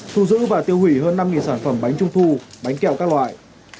thu giữ và tiêu hủy hơn năm sản phẩm bánh trung thu bánh kẹo các loại